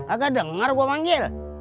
agak dengar gue manggil